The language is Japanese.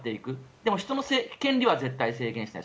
でも、人の権利は絶対制限しない。